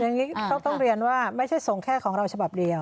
อย่างนี้ต้องเรียนว่าไม่ใช่ส่งแค่ของเราฉบับเดียว